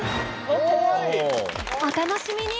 お楽しみに！